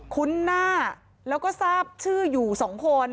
คุ้นหน้าแล้วก็ทราบชื่ออยู่๒คน